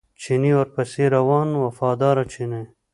چیني ورپسې روان و وفاداره چیني.